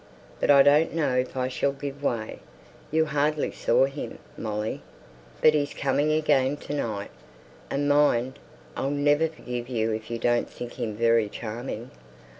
But I don't know if I shall give way, you hardly saw him, Molly, but he's coming again to night, and mind, I'll never forgive you if you don't think him very charming.